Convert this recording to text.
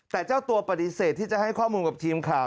แต่เจ้าตัวปฏิเสธที่จะให้ข้อมูลกับทีมข่าว